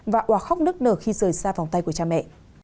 và à khóc nức nở khi rời xa vòng tay của cha mẹ